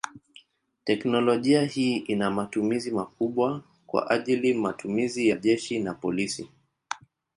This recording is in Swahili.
Teknolojia hii ina matumizi makubwa kwa ajili matumizi ya jeshi na polisi.